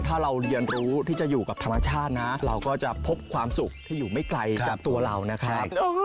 ถ้าเราเรียนรู้ที่จะอยู่กับธรรมชาตินะเราก็จะพบความสุขที่อยู่ไม่ไกลจากตัวเรานะครับ